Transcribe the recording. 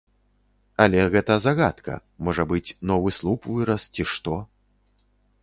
Але гэта загадка, можа быць, новы слуп вырас ці што.